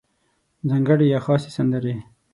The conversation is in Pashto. ځانګړې یا خاصې سندرې